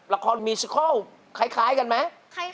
ละครมีซิคอลคล้ายกันไหม